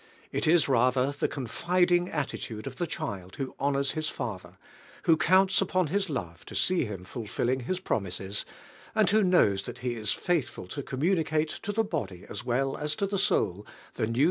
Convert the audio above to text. It is rather Ike confiding at hrtttde of the child who honors his Father —who counts upon His love to see Him fulfilling His promises,, and who kmnvs I hat He is faithful to communicate to the body as" well as to the soul the new